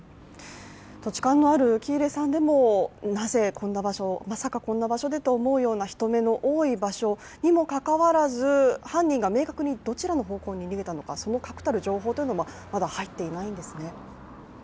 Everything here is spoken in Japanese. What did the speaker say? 土地勘のある喜入さんでもなぜこんな場所、まさかこんな場所でと思うような人目の多い場所であるにもかかわらず犯人が明確にどちらの方向に逃げたのかその確たる情報というのも、まだ入っていないんですね。